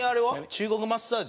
中国マッサージ。